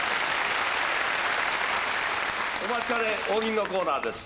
お待ちかね、大喜利のコーナーです。